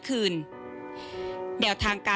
ไม่ได้ตั้งใจ